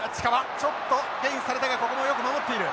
ちょっとゲインされたがここもよく守っている。